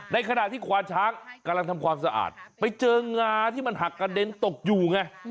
ในขณะที่ควานช้างกำลังทำความสะอาดไปเจองาที่มันหักกระเด็นตกอยู่ไง